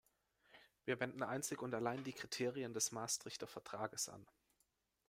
Wir wenden einzig und allein die Kriterien des Maastrichter Vertrages an.